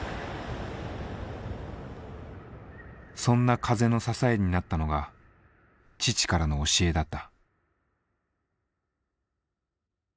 そんな風の支えになったのが父からの教えだった。